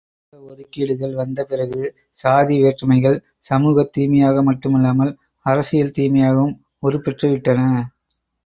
இட ஒதுக்கீடுகள் வந்த பிறகு, சாதி வேற்றுமைகள் சமூகத் தீமையாக மட்டுமல்லாமல் அரசியல் தீமையாகவும் உருப் பெற்று விட்டன.